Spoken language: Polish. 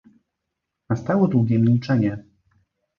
"Nastało długie milczenie."